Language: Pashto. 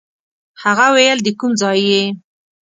هغه ویل د کوم ځای یې.